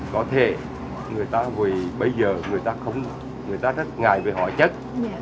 có thể người ta vì bây giờ người ta rất ngại về hỏa chất